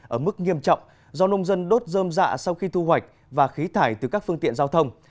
ở mức nghiêm trọng do nông dân đốt dơm dạ sau khi thu hoạch và khí thải từ các phương tiện giao thông